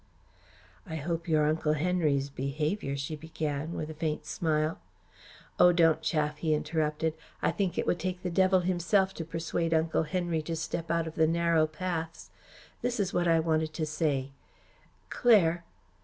"I hope your Uncle Henry's behaviour," she began, with a faint smile "Oh, don't chaff," he interrupted. "I think it would take the devil himself to persuade Uncle Henry to step out of the narrow paths. This is what I wanted to say Claire."